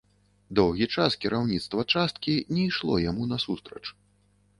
Доўгі час кіраўніцтва часткі не ішло яму насустрач.